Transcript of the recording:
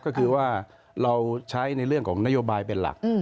ก็คือว่าเราใช้ในเรื่องของนโยบายเป็นหลัก